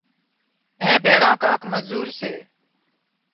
اين ڀيۯا ڪانڪ مزور سي